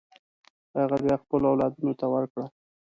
هغه بیا خپلو اولادونو ته ورکړه.